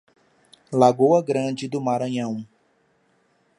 Lagoa Grande do Maranhão